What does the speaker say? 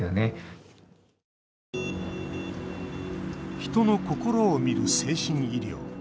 人の心を診る精神医療。